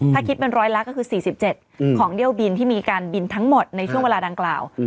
ถ้าคิดเป็นร้อยละก็คือ๔๗ของเที่ยวบินที่มีการบินทั้งหมดในช่วงเวลาดังกล่าว